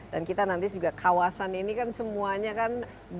dan kita nanti juga kawasan ini kan semuanya kan di